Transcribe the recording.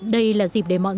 đây là dịp để mọi người